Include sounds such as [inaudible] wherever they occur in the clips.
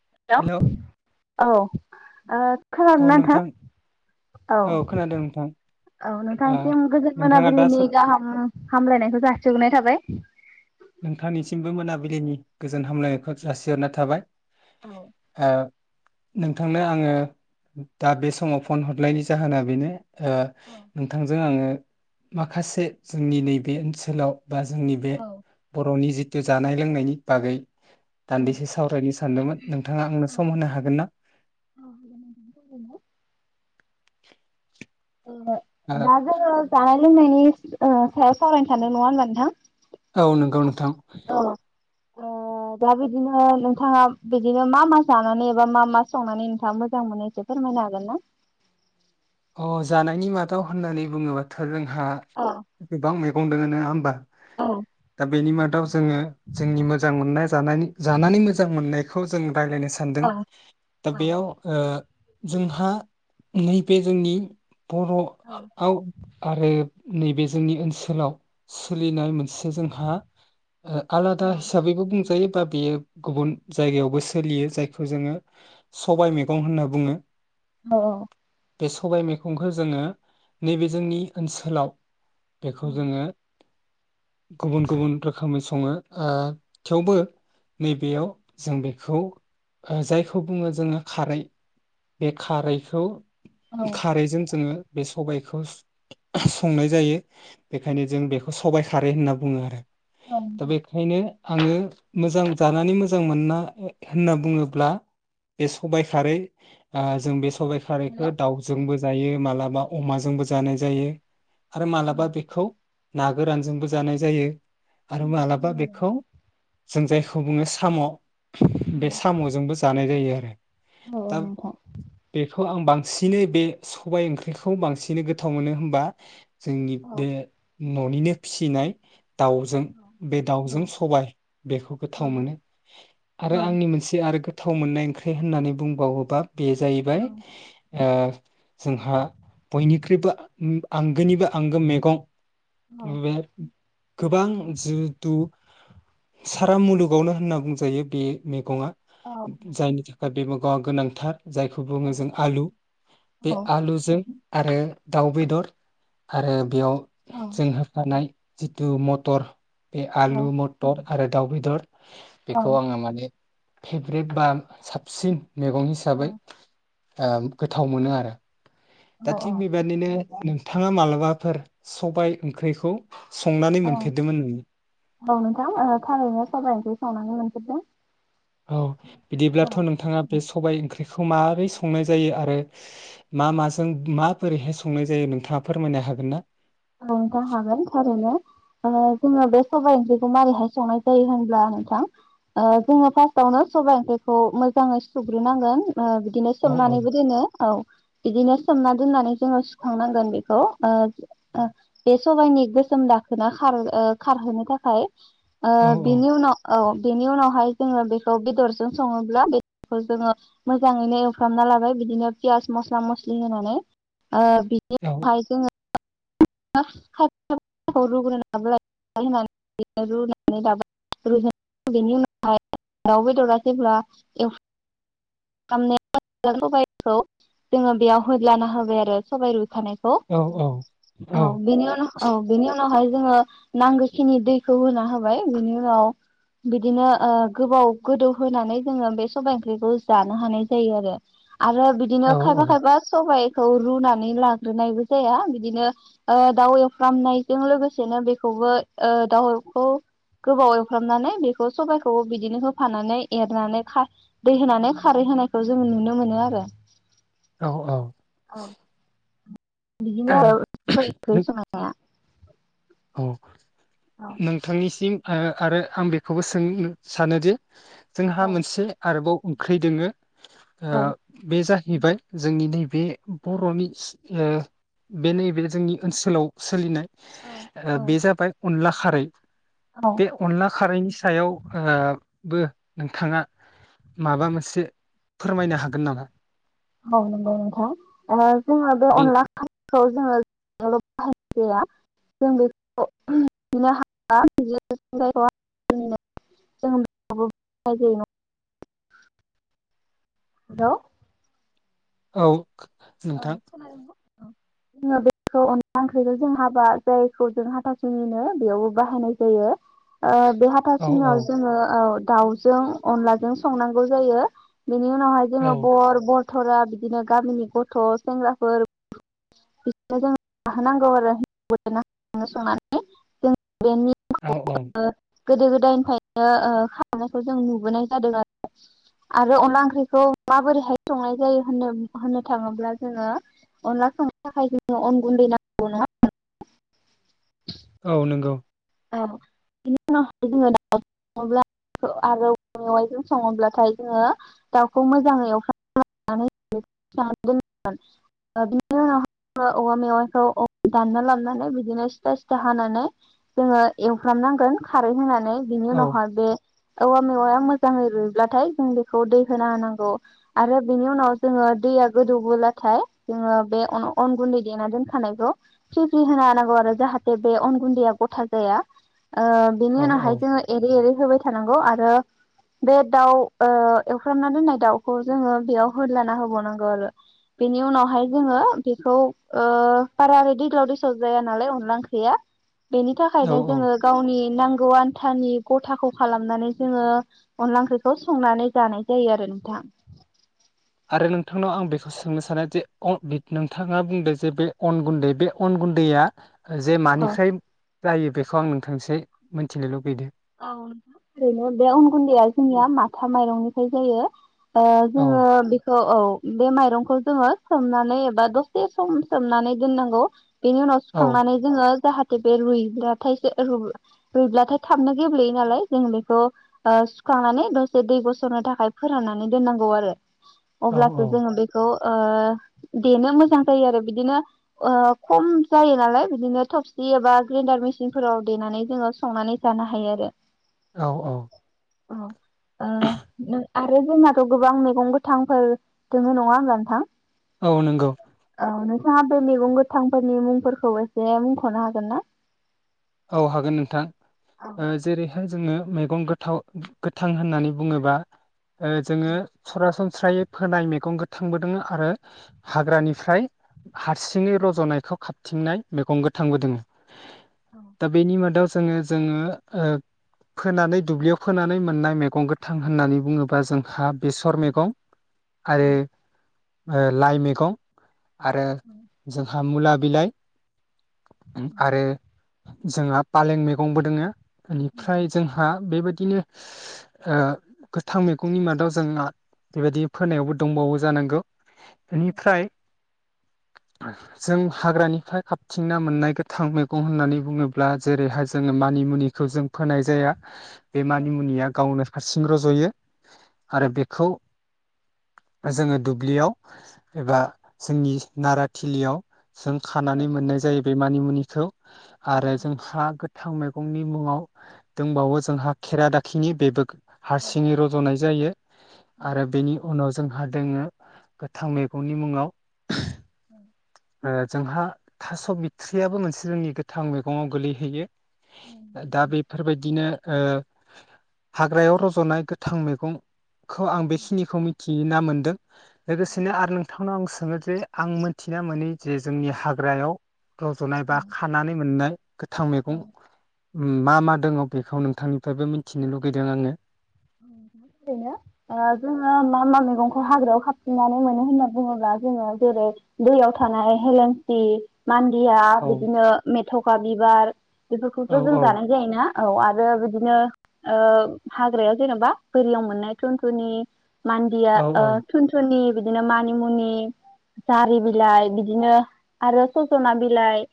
Hello औ ओ औ खोनादोंना नोथां नोंथां औ खोनादों नोंथां औ ओ नोंथांनिसिम गोजोन नोंथाङा दा मोनाबिलिनि सब गाहाम हामलायनायखौ जासिहरग्रोनाय थाबाय । द नोंथांनिसिमबो मोनाबिलिनि गोजोन हामलायनायखौ जासिहरना थाबाय औ । ओ नोंथांनो आङो दा बे समाव फन हरनायनि जाहोना बेनो ओ नोंथांजों आङो माखासे जोंनि नैबे ओनसोलाव बा जोंनि बे औ बर'नि जिथु जानाय लोंनायनि बागै ओ दान्दिसे सावरायनो सानदोंमोन नोंथाङा आंनो सम होनो हागोन ना? ओ दा ओ जोङो जानाय लोंनायनि ओ सायाव सावरायनो सानदों नङा होमबा नोंथां? औ नंगौ नोंथां। औ ओ दा बिदिनो नोंथाङा बिदिनो मा मा जानानै एबा मा मा संनानै नोंथाङा मोजां मोनो एसे फोरमायनो हागोन ना? अ जानायनि मादाव होननानै बुङोबाथ' जों हा औ गोबां मै गं दङ नङा होमबा? औ दा बेनि मा दाव जोङो जोंनि मोजां मोननाय जानानै मोजां मोननायखौ जों रायज्लायनो सानदों औ दा बेयाव ओ जोंहा [unintelligible] बे जोंनि औ बर'आव आरो नैबे जोंनि ओनसोलाव सोलिनाय मोनसे जोंहा ओ आलादा हिसाबैबो बुंजायो बा बेयो गुबुन जायगायावबो सोलियो जायखौ जोङो सबाय मैगं होनना बुङो। औ बे सबाय मैगंखौ जोङो नैबे जोंनि ओनसोलाव बेखौ जोङो गुबुन गुबुन रोखोमै सङो ओ थेवबो नैबेयाव जों बेखौ ओ जायखौ बुङो जोङो खारै बे खारैखौ औ खारैजों जोङो बे सबायखौ संनाय जायो बेखायनो जों बेखौ सबाय खारै होनना बुङो आरो। औ दा बेखायनो आङो मोजां जानानै मोजां मोनना होनना बुङोब्ला बे सबाइ खारै जों बे सबाइ खारै हेलौ दाउजोंबो जायो मालाबा अमाजोंबो जानाय जायो। आरो मालाबा औ बेखौ ना गोरानजोंबो जानाय जायो। आरो मालाबा बेखौ जों जायखौ बुङो साम' औ बे सामजोंबो जानाय जायो। [inaudible] दा नोंथां बेखौ आं बां सिनै बे सबाय ओंख्रिखौ बांसिनै गोथाव मोनो होनबा जोंनि औ बे न'निनो फिसिनाय दाउजों औ बे दाउजों औ सबाय बेखौ औ गोथाव मोनो औ आरो आंनि मोनसे आरो गो थाव मोननाय ओंख्रि होननानै बुंबावोबा बेयो औ जाहैबाय ओ जोंहा बयनिख्रुइबो ओम आंगोनिबो आंगो मैगं औ ओम बे गोबां जिहेथु सारा मुलुगावनो होनना बुंजायो बे मेगङा। जायनि थाखाय बे [unintelligible] गोनांथार। जायखौ औ बुङो जों आलु। बे औ आलुजों आरो दाउ बेदर आरो बेयाव जों होफानाय जिथु मटर बे आलु, मटर आरो दाउ बेदर औ बेखौ आङो माने फेभ्रेट बा साबसिन मेगं हिसाबै ओम गोथाव मोनो आरो। दा औ थिग बेबादिनो नोंथाङा मालाबाफोर सबाय ओंख्रिखौ संनानै औ मोनफेरदोंमोन नोङो औ नोंथां ओ थारैनो सबाय ओंख्रि संनायनो मोनफेरदों। औ बिदिब्लाथ' नोंथाङा बे सबाय ओंख्रिखौ माबोरै संनाय जायो आरो मा माजों माबोरैहाय संनाय जायो नोंथाङा फोरमायनो हागोन ना? औ नोंथां हागोन थारैनो ओ जोङो बे सबाय ओंख्रिखौ माबोरैहाय संनाय जायो होनब्ला नोंथां ओ जोङो फार्स्टआवनो सबाय ओंख्रिखौ मोजाङै सुग्रोनांगोन। ओ बिदिनो औ औ सोमनानैबो दोनो औ बिदिनो सोमनानै दोननानै जोङो सुखांनांगोन बेखौ ओ ओ बे सबायनि गोसोम दाखोना खार ओ खारहोनो थाखाय ओ औ औ बिनि उनाव औ बेनि उनावहाय जोङो बेखौ बेदरजों संङोब्ला बेदरखौ जोङो मोजाङैनो एवफ्रामना लाबाय बिदिनो पियास मस्ला मस्लि होनानै । ओ बिनि औ [unintelligible] हाय जोङो [unintelligible] रुग्रोना ला [unintelligible] रुनानै लाबाय [unintelligible] बिनि उनावहाय दाउ बेदरा जेब्ला एव [unintelligible] खौ जोङो बेयाव होदलाना होबाय आरो सबाय रुखानाय खौ औ औ औ बेनि उनाव औ बेनि उन नावहाय जोङो नांगोखिनि दैखौ होना होबाय बिनि उनाव बिदिनो ओ गोबाव गोदौ होनानै जोङो बे सबाय ओंख्रिखौ जानो हानाय जायो आरो । आरो बिदिनो खायफा खायफा सबाय खौ रुनानै लाग्रोनायबो जाया बिदिनो ओ दाउ एवफ्रामनायजों लोगोसेनो बेखौबो ओ दाउखौ गोबाव एवफ्रामनानै बेखौ सबायखौबो बिदिनो होफानानै एरनानै खा दै होनानै खारै होनायखौ जोंङो नुनो मोनो आरो । औ औ बिदिनो दाव सायख [unintelligible] सोंनाया औ औ नोंथांनिसिम ओ आरो आं बेखौबो सों नो सानोदि जोंहा मोनसे आरोबाव ओंख्रै दोंङो । औ ओ बे जा हैबाय जोंनि नै बे बर'नि ओ बे नैबे जोंनि ओनसोलाव सोलिनाय औ ओ बे औ जाबाय अनला खारै बे अनला खारैनि सायाव ओ बो नोंथाङा माबा मोनसे फोरमायनो हागोन नामा? औ नंगौ नोंथां ओ जोङो बे अनला खा खौ जोङो [unintelligible] [unintelligible] द' औ औ नोंथां खोनादों ना? औ जोङो बेखौ अनला ओंख्रिजों जों हाबा जायखौ जों हाथासुनिनो बेयावबो बाहायनाय जायो ओ बे औ औ हाथासुनिआव जोङो औ दाउजों अनलाजों संनांगौ जायो । बिनि उनावहाय जोंङो औ बर बर थरा बिदिनो गामिनि गथ गथ सेंग्राफोर बिसनो जों जाहोनांगौ आरो संनानै जों बेनि औ औ गोदो गोदायनिफ्रायनो ओ खालामनायखौ जों नुबोनाय जादों आरो आरो अनला ओंख्रिखौ माबोरैहाय संनाय जायो होनो होनो थाङोब्ला जोङो अनला संनो थाखाय जोङो अन गुन्दै नांगौ नङा औ नंगौ औ बिनि उनावहाय जोङो दउ सोब्ला आरो मेवजों सङोब्लाथाय जोङो दाउखौ मोजाङै एवफ्रांनानै दोनोन बिनि उनावहाय औवा मेवाइखौ दानना लाबनानै बिदिनो सिथा सिथा हानानै जोङो एवफ्रामनांगोन खारै होनानै बिनि औ उनावहाय बे औवा मेवाया मोजाङै रुइब्लाथाय जों बेखौ दै होना होनांगौ आरो बेनि उनाव जोङो दैया गोदौबोब्लाथाय जोङो बे अन गुन्दै देना दोनखानायखौ फ्रि फ्रि होना होनांगौ आरो जाहाथे बे अन गुन्दैया गथा जाया ओ बिनि औ उनाव हाय औ एरै एरै होबाय थांनांगौ आरो बे दाउ ओ एफ्रामना दोननाय दाउखौ जोङो बेयाव होदलाना होबावनांगौ आरो बेनि उनावहाय जोङो बेखौ ओ बारा दैज्लाव दैस्लाव जाया नालाय अनला ओंख्रैया औ थाखायनो औ जोङो गावनि नांगौ आन्थानि गथाखौ खालामनानै जोङो अनला ओंख्रिखौ संनानै जानाय जायो आरो नोंथां। आरो नोंथांनाव आं बेखौ सोंनो सानो जे नोंथाङा बुंदों जे बे अन गुन्दै बे अन गुन्दैया जे औ मानिखाय जायो बेखौ आं नोंथांसै मिथिनो लुुबैदोंं औ नोंथां ओरैनो बे अन गुन्दैया जोंनिया माथा माइरंनिफ्राय जायो। ओ औ जोङो बेखौ औ बे माइरंखौ जोङो सोमनानै एबा दसे सम सोमनानै दोननांगौ। बेनि उनाव औ सुखांनानै जोङो जाहा थे बे रुइब्लाथाइसे रुइब्लाथाय थाबनो गेब्लेयो नालाय जों बेखौ सुखांनानै दसे दै गसरनो थाखाय फोराननानै दोननांगौ आरो। औ अब्लासो जोङो बेखौ। ओ देनो मोजां जायो आरो बिदिनो खम जायो नालाय बिदिनो थबसि एबा ग्रेन्डार मेसिनफोराव देनानै जोङो संनानै जानो हायो आरो। औ औ अ आरो जोंनाथ गोबां मैगं गोथांफोर दोङो नङा होमब्ला नोंथां? औ नंगौ। औ नोंथाङा बे मैगं गोथांफोरनि मुंफोरखौ एसे मुंखनो हागोन ना? औ हागोन नोंथां। औ ओ जेरै जोङो मैगं गोथाव गोथां होननानै बुङोबा ओ जोङो औ सरासनस्रा स्रायै फोनाय मेगं गोथांबोदोंङ आरो हाग्रानिफ्राय हारसिङै रजनायखौ खाबथिंनाय मेगं गोथांबो दोंङो औ दा बेनि मादाव जोङो जोङो ओ फोनानै दुब्लियाव फोनानै मोननाय मैगं गोथां होननानै बुङोबा जोंहा बेसर मैगं आरो ओ लाइ मेगं आरो जोंहा मुला बिलाइ आरो जोंहा फालें मैगंबो दोङो बेनिफ्राय जोंहा बेबायदि बिदिनो ओ गोथां मैगंनि मादाव जों बेबायदि फोनायावबो दंबावो जानांगौ बेनिफ्राय जों हाग्रानिफ्राय खाबथिंना मोननाय गोथां मैगं होननानै बुङोब्ला जेरैहाय जोङो मानिमुनिखौ जों फोनाय जाया। बे मानि मुनिया गावनो हारसिं रज'यो आरो बेखौ जोङो दुब्लियाव एबा जोंनि नाराथिलियाव जों खानानै मोननाय जायोै बे मानिमुनि खौ आरो जोंहा गोथां मै गंनि मुङाव दंबावो जोंहा खेरा दाखिनि बेबो हारसिङै रज'नाय जायो आरो बेनि उनाव जोंहा दोङो गोथां मैगंनि मुङाव औ ओ जोंहा थास' बिथ्रियाबो मोनसे जोंनि गोथां मैगङाव गोगलैहैयो दा बेफोरबायदिनो ओ हाग्रायाव रज'नाय गोथां मैगं खौ आं बेखिनिखौ मिथि थिना मोन्दों लोगोसेनो आरो नोंथांनाव आं सों जे आं मोनथिना मोनै जे जोंनि हाग्रायाव रज'नाय बा खा मोननाय गोथां मैगं मा मा दङ बेखौ नोंथांनिफ्रायबो मिथिनो लुगैदों आङो ओरैनो जोङो मा मा मैगंखौ हाग्रायाव खााबफननानै मोनो होनना बुङोब्ला जोङो जेरै दैयाव थानाय हेलेंसि मान्दिया औ बिदिनो मेथ'खा बिबार बेफोरखौथ' औ जों औ जानाय जायोना औ आरो बिदिनो ओ हाग्राया जेन'बा बोरियाव मोननाय थुन्थुनि मान्दिया औ ओ थुन थुननि बिदि बिदिनो मानिमुनि जारि बिलाइ बिदिनो आरो ससमा बिलाइ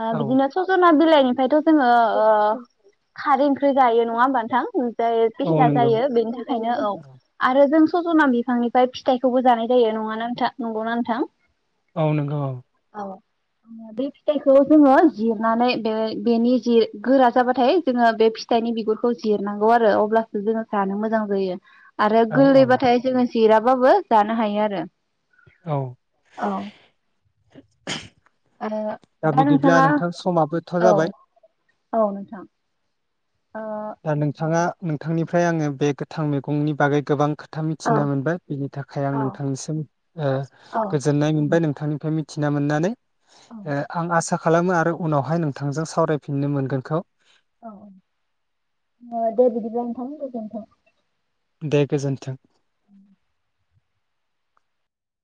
ओ औ बिदिनो सजना बिलाय फ्रायायथ' जोङो ओ खारै ओंख्रि जायो नङा होमब नोथां औ ओमफ्राय नंगौ जायो बेनि थाखायनो औ आरो जों सजना बिफांनिफ्राय फिथाइखौबो जानाय जायो नङाना नोंथां नंगौना नोंथां। औ नंगौ। बे फिथाइखौ जोङो जिरनानै बे बेनि जि गोरा जाबाथाय जोङो बे फिथाइनि बिगुरखौ जिरनांगौ आरो अब्ला जोङो जानो मोजां जायो। आरो औ औ गोरलैबाथाय जोङो जिर बाबो जानो हायो आरो। औ औ। दा बिदिब्ला नोंथां समाबोथ' जाबाय। औ नोंथां। ओ दा नोंथाङा नोंथांनि ओमफ्राय आङो बे गोथां मैगंनि बागै गोबां खो खोथा मिथिना मोनबाय बिनि थाखाय आं नोंथांनिसिम ओ गोजोननाय मोनबाय नों बिथांनिफ्राय मिथिना मोननानै। ओ आं आसा खालामो आरो उनावहाय नोंथांजों सावरायफिननो मोनगोनखौ अ दे बिदिब्ला नोंथां गोजोनथों। दे गोजोन्थों। [inaudible]